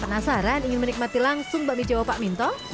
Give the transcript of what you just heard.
penasaran ingin menikmati langsung bakmi jawa pak minto